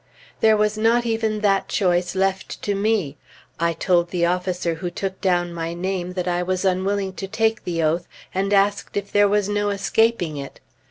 There was not even that choice left to me. I told the officer who took down my name that I was unwilling to take the oath, and asked if there was no escaping it.